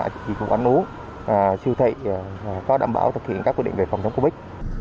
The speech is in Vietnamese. chỉ trị của quán uống siêu thị có đảm bảo thực hiện các quy định về phòng chống covid